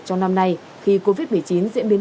trong năm nay khi covid một mươi chín diễn biến